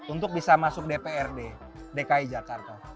untuk bisa masuk dprd dki jakarta